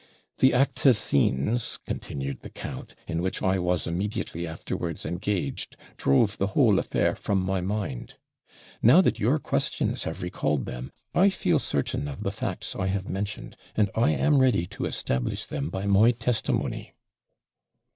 The active scenes,' continued the count, 'in which I was immediately afterwards engaged, drove the whole affair from my mind. Now that your questions have recalled them, I feel certain of the facts I have mentioned; and I am ready to establish them by my testimony.'